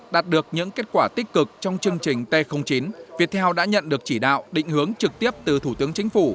đạt được những kết quả tích cực trong chương trình t chín viettel đã nhận được chỉ đạo định hướng trực tiếp từ thủ tướng chính phủ